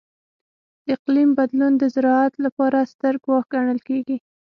د اقلیم بدلون د زراعت لپاره ستر ګواښ ګڼل کېږي.